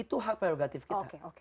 itu hak prerogatif kita